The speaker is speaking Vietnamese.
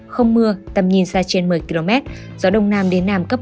không mưa tầm nhìn xa trên một mươi km gió đông nam đến nam cấp bốn sóng cao một hai m